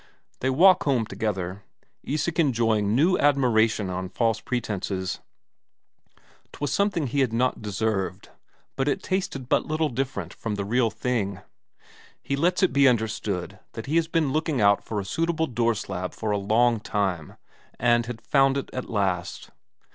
They walk home together, Isak enjoying new admiration on false pretences; 'twas something he had not deserved, but it tasted but little different from the real thing. He lets it be understood that he has been looking out for a suitable door slab for a long time, and had found it at last.